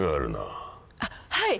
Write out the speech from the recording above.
あっはい。